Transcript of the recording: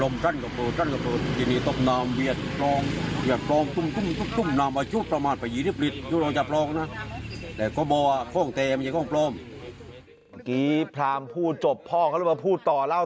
เมื่อกี้พราหมณ์ผู้จบพ่อเขารู้ว่าพูดต่อแล้ว